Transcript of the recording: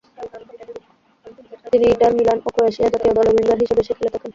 তিনি Inter Milan ও Croatia জাতীয় দলে উইঙ্গার হিসেবে খেলে থাকেন।